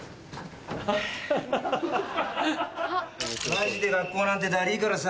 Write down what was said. マジで学校なんてダリぃからさ。